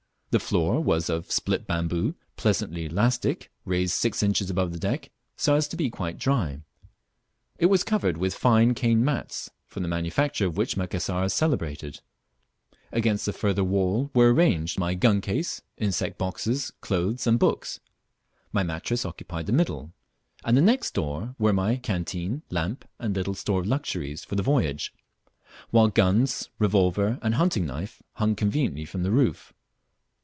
The floor was of split bamboo, pleasantly elastic, raised six inches above the deck, so as to be quite dry. It was covered with fine cane mats, for the manufacture of which Macassar is celebrated; against the further wall were arranged my guncase, insect boxes, clothes, and books; my mattress occupied the middle, and next the door were my canteen, lamp, and little store of luxuries for the voyage; while guns, revolver, and hunting knife hung conveniently from the roof.